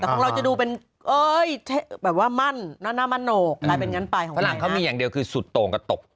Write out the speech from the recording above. แต่ของเราจะดูเป็นเงิน